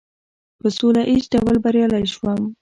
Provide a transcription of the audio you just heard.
په سوله ایز ډول بریالی شوم.